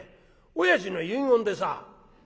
おやじの遺言でさ」。